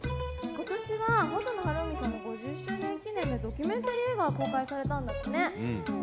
今年は細野晴臣さんの５０周年記念のドキュメンタリー映画公開されたんだってね。